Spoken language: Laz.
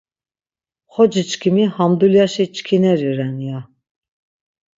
Xoci çkimi ham dulyaşi çkineri ren, ya.